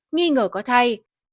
nghi ngờ có thai